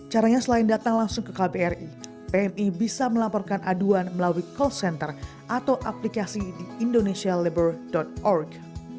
caranya selain datang langsung ke kbri pmi bisa melaporkan aduan melalui call center atau aplikasi di indonesia labor org